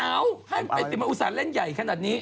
มันจะเอาให้เป็นติมอุษันเล่นใหญ่ขนาดนี้